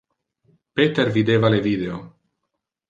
Peter videva le video.